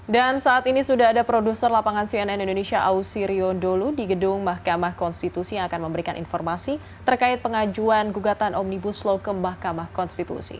dan saat ini sudah ada produser lapangan cnn indonesia ausi riondolu di gedung mahkamah konstitusi yang akan memberikan informasi terkait pengajuan gugatan omnibus law ke mahkamah konstitusi